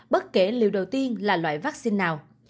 bất kể liệu đầu tiên là loại vaccine nào